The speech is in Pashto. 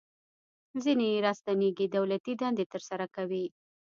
ځینې چې راستنیږي دولتي دندې ترسره کوي.